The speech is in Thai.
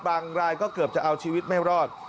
รายก็เกือบจะเอาชีวิตไม่รอด